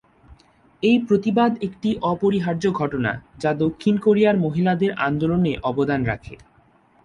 এই প্রতিবাদ একটি অপরিহার্য ঘটনা, যা দক্ষিণ কোরিয়ায় মহিলাদের আন্দোলনে অবদান রাখে।